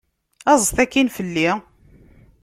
Aẓet akkin fell-i!